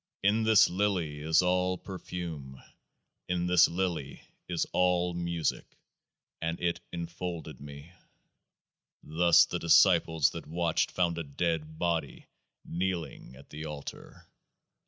In this Lily is all perfume ; in this Lily is all music. And it enfolded me." Thus the disciples that watched found a dead body kneeling at the altar.